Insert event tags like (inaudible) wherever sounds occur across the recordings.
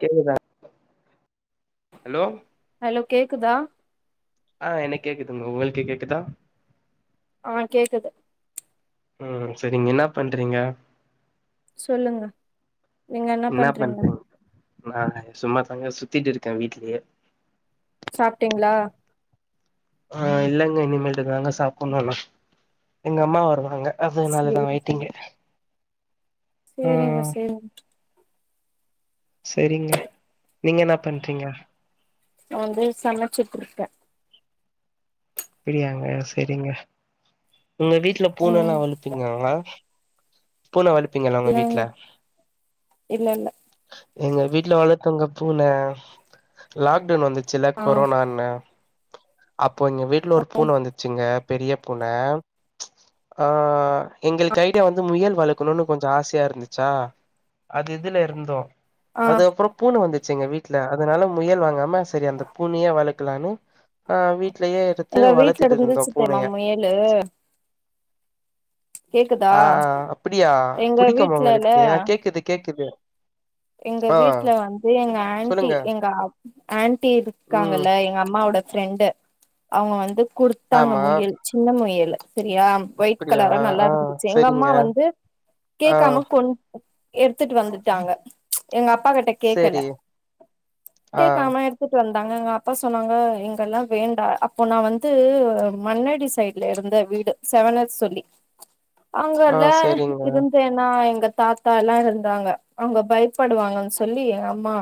கேக்குதா hello hello கேக்குதா ஆ எனக் கேக்குதுங்க உங்களுக்கு கேக்குதா ஆ கேக்குது ம் செரிங் என்னா பண்றிங்க சொல்லுங்க நீங்க என்னா என்ன பண்றிங்க பண்றீங்க நா சும்மா தாங்க சுத்திட்டுருக்கே வீட்லயே சாப்டிங்ளா ஆஹ் இல்லங்க இனிமேல்ட்டு தாங்க சாப்புட்ணு எல்லா எங்க அம்மா வருவாங்க அதுனாலதா சேரி சேரி வெய்ட்டிங்கு சேரிங்க சேரிங் செரிங்க நீங்க என்னா பண்றிங்க நா வந்து சமச்சிட்ருக்கே அப்பிடியாங்க செரிங்க உங்க வீட்ல பூனல்லா ம் வளப்பிங்காவா பூன வடுப்பிங்களா ஒங்க இல்லங்க வீட்ல இல்ல இல்ல எங்க வீட்ல வளத்தங்க பூன லாக்டவுன் வந்துச்சுல்ல ஆ கொரோனானு அப்பொ எங்க வீட்ல ஒரு ம் பூன வந்துச்சுங்க பெரிய பூன ஆஹ் எங்களுக்கைடியா வந்து முயல் வளக்கணூனு கொஞ்சொ ஆசையா இருந்துச்சா அது இதுல இருந்தோ ஆ அது அப்றொ பூன வந்துச்சி எங்க வீட்ல அதுனால முயல் வாங்காம சரி அந்த பூனையே வளக்கலானு ஆ வீட்லயே எங்க வீட்ல இருந்தோ இருந்துச்சு தெரிமா பூனைய முயலூ ஆஹ் அப்பிடியா எங்க புடிக்குமா உங்களுக்கூ வீட்லல கேக்குது கேக்குது எங்க ஆ வீட்ல வந்து எங்க ஆன்ட்டி சொல்லுங்க எங்க அப் ஆன்ட்டி ம் இருக்காங்கல எங்க அம் அம்மாவோட ஃப்ரெண்டு அவங்க வந்து குடுத்தாங்க ஆமா முயல் சின்ன முயலு செரியா ஒயிட் அப்டியா கலரா நல்லா ஆ இருந்துச்சு எங்க சரிங்க அம்மா வந்து ஆ கேட்காம கொன் எடுத்துட்டு வந்துட்டாங்க எங்க அப்பா கிட்ட கேக்கல சேரி ஆ கேக்காம எடுத்துட்டு வந்டாங்க எங்க அப்பா சொன்னாங்க இங்கெல்லா வேண்டா அப்போ நா வந்து மன்னடி சைட் லெருந்த வீடு செவன சொல்லி ஆ அவங்கல்ல சேரிங்க இருந்தேன் நா எங்க தாத்தா எல்லாம் இருந்தாங்க அவங்க பயப்படுவாங்கன்னு சொல்லி எங்க அம்மா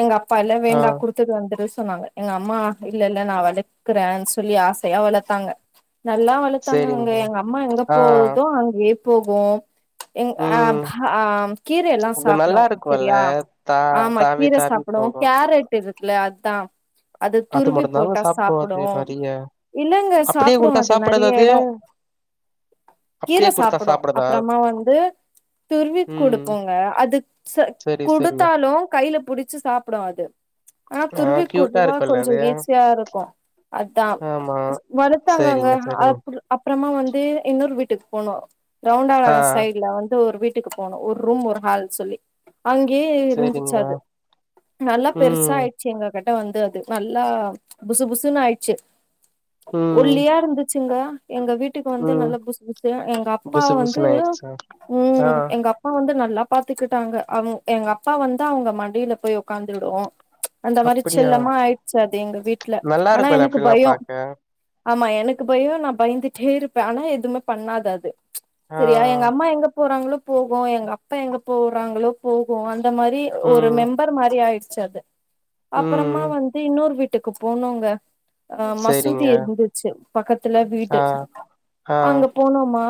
எங்க அப்பா எல்லாம் ஆ வேண்டா குடு விட்டுட்டு வந்துடு சொன்னாங்க எங்க அம்மா இல்ல இல்ல நான் வளர்க்கறேன்னு சொல்லி ஆசையா வளத்தாங்க நல்லா வளத்தாங்க அங்க சேரிங்க எங்க அம்மா எங்க ஆ போகுதோ அங்கயே போகும் எங் அ ம் அஹ் அம் கீரை எல்லாம் அது நல்லா சாப்டும் இருக்கும்ல்ல செரியா தா ஆமா தாவி கீர தாவி சாப்புடும் போகும் கேரட்டு இருக்குல அத்தான் அது துருவி மட்டும்தாங்க போட்டா அது சாப்டும் நெறைய இல்லங்க அப்டியே சாப்புடும் குடுத்தா அது சாப்டாதா நறைய அது எடம் கீர அப்டியே குடுத்தா சாப்டும் சாப்டாதா அப்புறமா வந்து துருவி ம் குடுப்போங்க அதுக் சர் செரி செரிங்க குடுத்தாலும் கையில புடிச்சு சாப்புடும் அது ஆ துருவி கியூட்டா குடுவா இருக்குல்ல கொஞ்சோ அது ஈஸியா இருக்கும் அதான் ஆமா வளத்தாங்கங்க செரிங்க செரிங்க அப்புடு அப்புறமா வந்து இன்னொரு வீட்டுக்கு போனோம் ஆ ரவுண்டாளம் சைடுல வந்து ஒரு வீட் ட்டுக்கு போனோம் ஒரு ரூம் ஒரு ஹால் சொல்லி அங்கேயே இருந்துச்சு செரிங்க அது நல்லா பெருசா ம் ஆயி ச்சிங்க கிட்ட வந்தது நல்லா புசு புசுன்னு ஆயிடுச்சு ம் ஒல்லியா இருந்துச்சுங்க எங்க வீட் டுக்கு வந்து ம் நல்லா புசு புசுனு எங்க அப்பா புசு வந்து புசுன்னு விழு ஆயிடுச்சா ஆ உம் எங்க அப் ப்பா வந்து நல்லா பாத்துக்கிட்டாங்க அவங்க எங்க அப்பா வந்தா அவங்க மடில போய் உட்காந்துடும் ம்ச் அந்த மாரி அப்டியா செல்லமா ஆயிடுச்ச அது எங்க வீட்டு்ல நல்லா ஆனா இருக்கும்ல எனக்கு அப்டில்லா பயம் பாக்க ஆமா எனக்கு பயம் நான் பயந்துட்டே இருப்பேன் ஆனா எதுவுமே பண்ணாது அது ச் ஆ செரியா எங்க அம்மா எங்க போறாங்களோ போகும் எங்க அப்பா எங்க போறாங்களோ போகும் அந்த மாரி ஒரு ம் மெம்பர் மாரி ஆயிடுச்சு அது அப்புறமா ம் வந் இன்னொரு வீட்டுக்கு போனோங்க அ மசூதி செரிங்க இருந்துச்சு பக்கத்துல வீட்டு ஆ ஆ அங்க போனோமா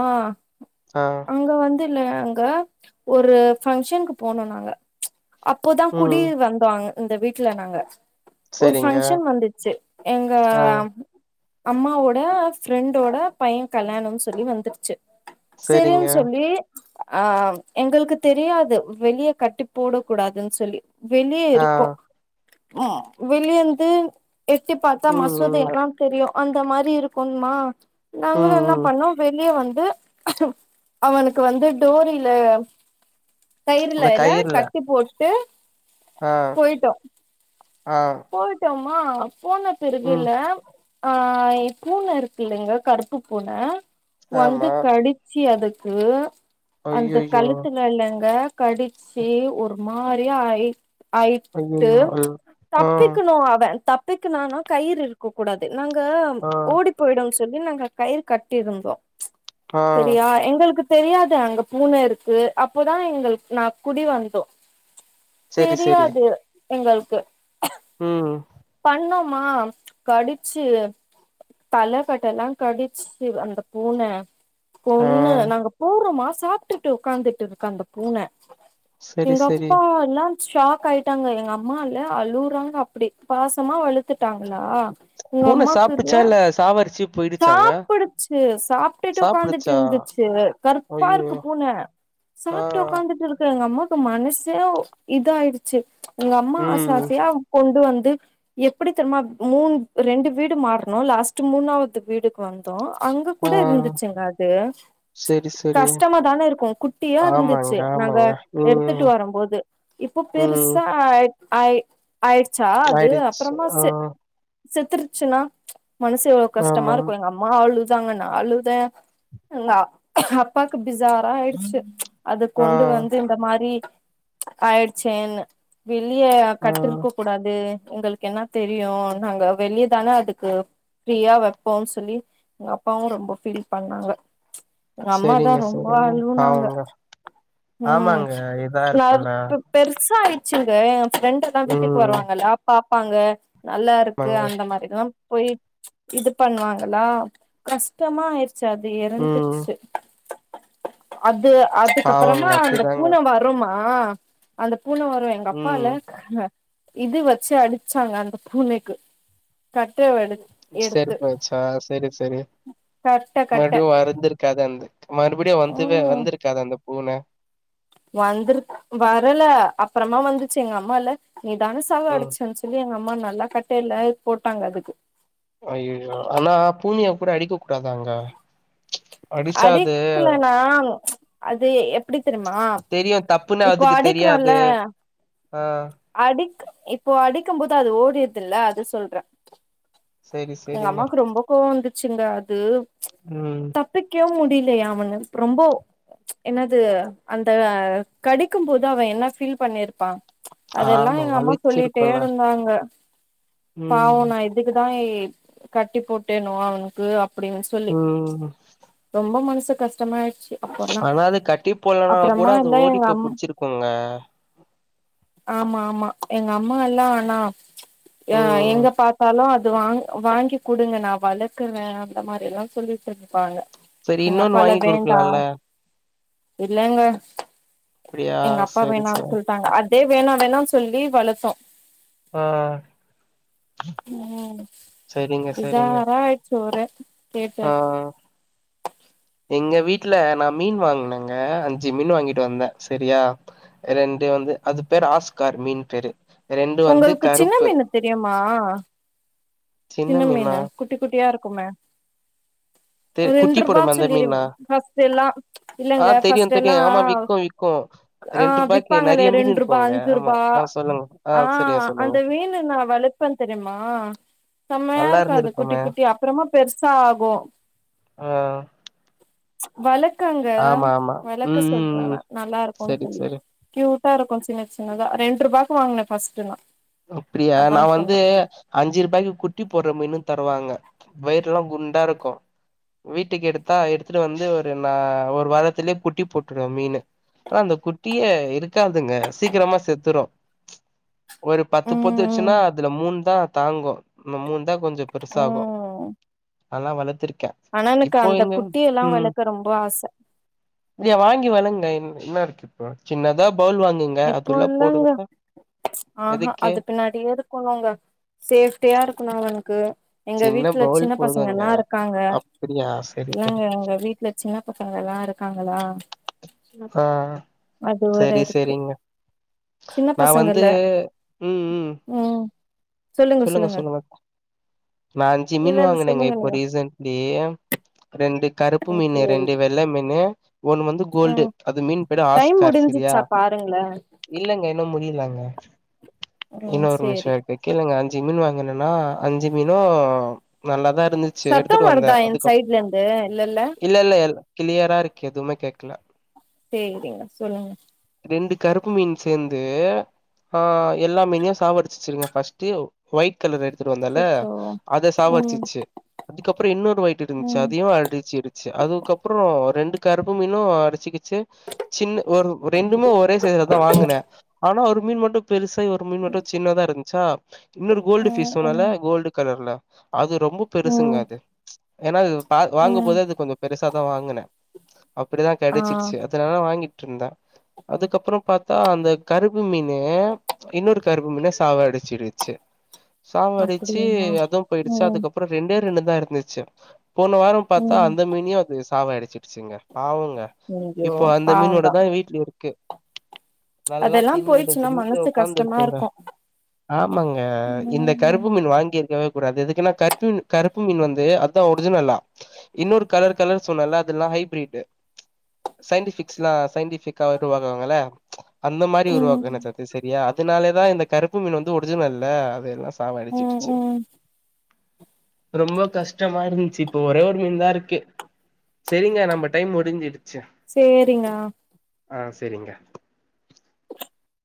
ஆ அங்க வந்து இல்ல அங்க ஒரு ஃபங்க்ஷனுக்கு போனோம் நாங்க ம்ச் அப்போதான் குடி ம் வந்தவாங்க இந்த வீட்ல நாங்க ஒரு செரிங்க ஃபங்க்ஷன் வந்துச்சு எங்க ஆ அப் அம்மாவோட ஃப்ரெண்டோட பையன் கல்யாணம்னு சொல்லி வந்துட்ச்சு சரிங்க சரின்னு சொல்லி ஆ எங்களுக்கு தெரியாது வெளிய கட்டி போட கூடாதுன் சொல்லி வெளிய ஆ இருக்கும் ம் வெளியந்து எட்டி பாத்தா ம் மசூதி ம் எல்லாம் தெரியும் அந்த மாரி இருக்கும்மா ம் நாங்களும் என்ன ம் பண்ணோம் வெளிய வந்து அவனுக்கு வந்து டோரியில கயிறுல இந்த இல்ல கயிறுல கட்டி போட்டு ஆ போயிட்டோ ஆ போயிட்டோமா போன பெறகு ம் இல்ல ஆ என் பூன இருக்கு இல்லைங்க கருப்பு பூன வந்து ஆமா கடி ச்சு அதுக்கு அந்த ஐயையோ கழுத்துல இல்லங்க கடிச்சி ஒரு மாரியா ஆயி ஐயயோ அது தப்பிக்கணும் அவன் தப்பிக்கனானா கயிறு இருக்க கூடாது நாங்க ஆ ஓடி போயிடுனு சொல்லி நாங்க கயிறு கட்டிருந்தோ ஆ சரியா எங்களுக்கு தெரியாது அங்க பூன இருக்கு அப்போதா எங்களுக்கு நா குடி வந்தோ சரி சரி தெரியாது எங்களுக்கு ம் பண்ணோமா கடிச்சு தலக்கட்டெல்லா கடிச்சு அந்த பூன ஆ பொண்ணு நாங்க போறோமா சாப்ட்டுட்டு ஒக்காந்துட்டு இருக்கு அந்த பூன சரி எங்க சரி அப்பா என்னானு ஷாக் ஆயிட்டாங்க எங்க அம்மா இல்ல அலு றாங்க அப்படி பாசமா வழுத்துட்டாங்களா எங்க அம்மாக்குல்ல சாவரிச்சிப் சாப்புடுச்சு சாப்ட்டுட்டு உக்காந்துட்டு சாப்டுச்சா இருந்துச்சு கருப்பா ஐயையோ இருக்கு பூன ஆ சாப்ட்டு உக்காந்துட்டு இருக்க எங்க அம்மா கு மனசே இதா ஆய்டுச்சு எங்க அம்மா ஆசா ம் ஆசயா கொண் டு வந்து எப்புடித்தெர்மா மூன் ரெண்டு வீடு மாறனோ லாஸ்ட்டு மூணாவது வீடு வந்தோ அங்க ஆ கூட இருந்துச்சுங்க அது சரி சரி கஷ்டமா தான இருக்கு குட்டியா ஆமாங்க இருந்துச்சு நாங்க ஆமாங்க எடுத்துட்டு ம் வரும்போது இப்போ ம் பெருசா ஆய் ஆய் ஆயிடுச்சா அது ஆயிடுச்சு அப்புறமா ஆ செத் செத்துருச்சுன்னா மனசு எவ்ளோ கஷ் ஆமா எங்க அம்மா அழுதாங்க நா அழுதா எங்க அப் அப்பாக்கு பிசாரா ஆயிடுச்சு அத கொண்டு ஆ வந் து இந்த மாரி ஆயிடுச்சேன்னு வெளிய ஆ கட்டுருக்க கூடாது உங்களுக்கு என்ன தெரியும் நாங்க வெளியதா அதுக்கு ஃப்ரீயா வ ப்போன் சொல்லி எங்க அப்பாவு ரொம்ப ஃபீல் பண்ணாங்க எங்க அம்மாதா செரிங்க ரொம்ப செரிங்க அழுவுனாங்க பாவங்க ம் ஆமாங்க இதா இருக்குல்ல யாருட்ட பெருசா ஆய்டுச்சுங்க எங்க ஃப்ரெண்டலா வீட்டுக்கு ம் வருவாங்கல்லா பாப்பாங்க நல்லா இருக்கு ஆமாங்க அந்த மாரில்லா போயி இது பண்ணுவாங்களா கஷ்டமா ஆய்டு ச்சு அது ம் இறந்துச்சு அது அதுக்கப்புறமா பாவங்க அந்த அப்டிதாங்க பூன வருமா அந்த பூன வரு எங்க அப்பா இல்ல ம் இது வச்சு அடிச்சாங்க அந்த பூனைக்கு கட்டவடு எடு போச்சா சேரி சேரி கட்ட கட்ட மறுபடியு வறந்துருக்காது அந்தக் மறுபடியு வந்துவே ம் வந்திருக்காது அந்த பூன வந்துரு வரல அப்றமா வந்துச்சு எங்க அம்மால்ல நீதான சாவ ம் அடிச்ச சொ ல்லி எங்க அம்மா நல்லா கட்டைல்ல போட்டாங்க அதுக்கு ஐயயோ ஆனா பூனய கூட அடிக்க கூடாதாங்க அடிச்சா அது அடிக்லனா அது எப்டி தெரிமா தெரியு தப்புன்னு அதுக்கு தெரியாது ஆ அடிக் இப்போ அடிக்கும் போது அது ஓடிதுல அது சொல்ற செரி எங்க செரிங்க அம்மாக்கு ரொம்ப கோவோ வந்துச்சுங்க அது ம் டக் தடுக்கே முடிலைய அவன ரொம்போ என்னது அந்த கடிக்கும்போது அவ என்ன ஃபீல் பண்ணிருப்பா அதெல்லா ஆமா எங்க அம்மா சொல்லிட்டே வலிச்சிருக்குல்ல இருந்தாங்க பாவோ ம் நா இதுக்குதா எ கட்டி போட்டேனோ அவனுக்கு அப்டின் சொல்லி ம் ரொம்ப மனசு கஷ்டமாய்டுச்சி ஆனா அது கட்டி போட்லனா கூட அது ஓடி போய் புட்ச்சிருக்குங்க ஆமாமா எங்க அம்மா எல்லா ஆனா அ ம் எங்க பா பலோ அது வாங் வாங்கி குடுங்க நா வளக்குற அந்த மாரியெல்லா சொல்லிட்டு இருப்பாங்க சரி எங்க இன்னொன்னு அப்பால்ல வாங்கி வேண்டா குடுக்கலால்ல இல்லங்க அப்டியா எங்க அப்பா சரி வேணான்னு சரி சொல்ட்டாங்க அதே வேணா வேணானு சொல்லி வளத்தோ அ ம் சரிங்க பேஜ்ரா சரிங்க ஆய்ருச்சு ஒரே ஆ கேட்டது எங்க வீட்ல நா மீன் வாங்குனங்க அஞ்சு மீன் வாங்கிட்டு வந்த செரியா ரெண்டு வந்து அது பேரு ஆஸ்கார் மீன் பேரு ரெண்டு வந்து உங்களுக்கு சின்ன கருப்பு மீனு தெரிமா சின்ன மீனு குட்டி குட்டியா இருக்குமே (inaudible) ஒரு ரெண்டு ரூபா போடுமே அந்த சொல்லிரு மீனா ஃபர்ஸ்ட் எல்லா ஆ இல்லங்க தெரியு ஃபர்ஸ்ட் தெரியு எல்லா ஆமா விக்கு விக்கு ஆ ரெண்டு ரூபாய்க்கு விப்பாங்களே நெறைய மீன் ரெண்டு ரூபா இருக்குங்க அஞ்சு ஆமா ரூபா ஆ சொல்லுங்க ஆ சரியா சொல்லுங்க அந்த மீனு நா வள ப்பன் தெரிமா செமையா நல்லா இருக்கு அது குட்டி இருந்திருக்குமே குட்டி அப்றமா பெருசா ஆகு அ வளக்கங்க ஆமா ஆமா வளக்க ம் ம் சொல்றான் ம் அவன் நல்லா இருக்குன் சரி சொல்லி சரி க்யூட்டா இருக்கு சின்ன சின்னதா ரெண்டு ரூபாக்கு வாங்குன ஃபர்ஸ்ட்டெல்லா அப்டியா நா வந்து அஞ்சி ரூபாய்க்கு குட்டி போடுற மீனு தருவாங்க வயிறெல்லா குண்டா இருக்கு வீட்டுக்கு எடுத்தா எடுத்துட்டு வந்து ஒரு நா ஒரு வாரத்துலயே குட்டி போட்டுரு மீனு ஆ அந்த குட்டியே இருக்காதுங்க சீக்கிரமா செத்துரு ஒரு பத்து பொத்து வெச்சுன்னா ம் அதுல மூண்தா தாங்கு இந்த மூண்தா கொஞ்சோ பெருசாகு ம் நால்லா வளர்த்திருக்கே ஆனா எனக்கு இப்போ அந்த எங்க குட்டியல்லா வளக்க ரொம்ப ஆச நீங்க வாங்கி வளங்க என் என்ன இருக்கு இப்போ சின்னதா பவுல் வாங்குங்க இப்போ அதுல்ல இல்லங்க போடுங்க ஆஹா அது பின்னாடியே இருக்கணுங்க சேஃப்ட்டியா இருக்கணு எனக்கு எங்க சின்ன வீட்ல பவுல் சின்ன போதுங்க பசங்கல்லா இருக்காங்க அப்டியா செரி இல்லங்க செரி எங்க வீட்ல சின்ன பசங்கல்லா இருக்காங்களா ஆ ஆ அது ஒரு சரி இருக்கு சரிங்க சின்ன நா வந்து பசங்கல ம் சொல்லுங்க சொல்லுங்க நா அஞ்சி இல்ல மீன் இல்ல வாங்குனங்க சொல்லுங்க இப்போ நீங்க ரீசன்ட்லி ரெண்டு கருப்பு ம் மீனு சேரி ரெண்டு வெ ள்ள மீனு ஒண்ணு வந்து ம் கோல்டு அது மீன் பேரு டைம் ஆஸ்கார் சரியா முடிஞ்சிச்சா பாருங்களே இல்லங்க இன்னு முடிலங்க ம் இன்னு ஒரு நிமிஷோ சேரி இருக்கு கேளுங்க அஞ்சி மீன் வாங்கினனா அஞ்சு மீனு நல்லாதா இருந்து சத்தோ வருதா என் சைட்லந்து இல்லல்ல இல்ல இல்ல எ க்ளியரா இருக்கு எதுமே கேக்கல சேரிங்க சொல்லுங்க ரெண்டு கருப்பு மீன் சேந்து ஆ எல்லா மீனையு சாவடிச்சிருச்சுங்க ஃபர்ஸ்ட்டு ஒயிட் கலரு அச்சச்சோ இத சாவ ம் அடிச்சிரிச்சி அதுக்கு அப்றோ இன்னொரு ஒயிட்டு இருந்துச்சு ம் அதையு அடிச்சிரிச்சி அதுக்கப் அப்றோ ரெண்டு கருப்பு மீனு அடிச்சிக்கிச்சு சின்ன ஒரு ரெண்டுமே ஒரே சை (inaudible) லதா வாங்குன ஆனா ஒரு மீன் மட்டு பெருசாயி ஒரு மீன் மட்டு சின்னதா இருந்துச்சா இன்னொரு கோல்டு பிஷ் ம் சொன்னல ம் கோல்டு கலர்ல அது ரொம்ப பெருசுங்க ம் அது ஏனா பா வாங்கும் ம் போதே அது கொஞ்ச பெருசாதா வாங்குன அப்டிதா ஆ கெடச்சிச்சு இத்தனால வாங்கிட்டுருந்த அதுக்கப்பறோ பாத்தா அந்த கருப்பு மீனு இன்னொரு கருப்பு மீன சாவ அடிச்சிருச்சி சாவ அடிச்சி அப்டியா அதுவு போய்டுச்சா ம் அதுக்கப் அப்றோ ரெண்டே ரெண்டு தா இருந்துச்சி போன வாரோ பாத்தா ம் அந்த மீனையு அது சாவ அடிச்சிடுச்சிங்க பாவங்க ஐயோ இப்போ அந்த மீனோட பாவந்தா தா வீட்ல இருக்கு நல்லா அதெல்லா தின்னுட்டு போயிடுச்சுன்னா தின்னுட்டு மனசு உக்காந்து கஷ்டமா இருக்குங்க இருக்கு ஆமாங்க இந்த கருப்பு ம் மீனு வாங் இருக்கவே கூடாது எதுக்குனா கருப் மீனு கருப்பு மீன் வந்து அதா ஒரிஜினல்லா இன்னொரு கலர் கலர் சொன்னல்ல அதெல்லா ஹைப்ரீட்டு சைன்டிஃபிக்ஸ்ல்லா சைன்டிஃபிக்கா வருவாங்கல்ல அந்த மாரி உருவாக்கு ம் என்ன சத்தி சரியா அதனாலேதா இந்த கருப்பு மீன் வந்து ஒரிஜினல்ல அது எல்லா சாவ ம் அடிச்சிட்டுச்சு ம் ரொம்ப கஷ்டமா இருந்துச்சு இப்ப ஒரே ஒரு மீன் தா இருக்கு சரிங்க நம்ம டைம் முடிஞ்சிடுச்சு சேரிங்கா ஆ செரிங்க